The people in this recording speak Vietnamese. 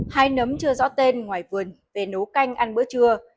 hai nấm chưa rõ tên ngoài vườn về nấu canh ăn bữa trưa